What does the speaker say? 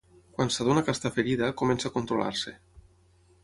Quan s'adona que està ferida, comença a controlar-se.